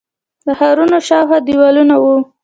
د ښارونو شاوخوا دیوالونه وو